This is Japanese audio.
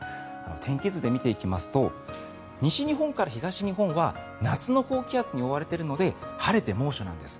天気図で見ていきますと西日本から東日本は夏の高気圧に覆われているので晴れて、猛暑なんです。